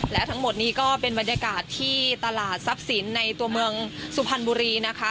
และทั้งหมดนี้ก็เป็นบรรยากาศที่ตลาดทรัพย์สินในตัวเมืองสุพรรณบุรีนะคะ